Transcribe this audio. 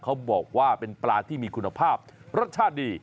เขาบอกว่าเป็นปลาที่มีคุณภาพรสชาติดี